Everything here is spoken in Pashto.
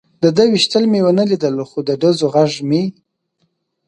د ده وېشتل مې و نه لیدل، خو د ډزو غږ مې.